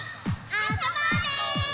あそぼうね！